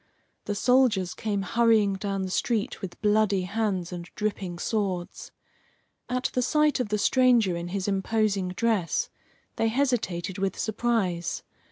The soldiers came hurrying down the street with bloody hands and dripping swords. At the sight of the stranger in his imposing dress they hesitated with surprise.